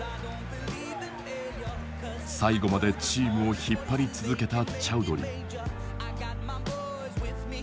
最後までチームを引っ張り続けたチャウドリー。